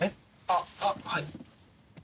あっはい。